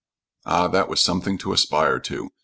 Ah, that was something to aspire to!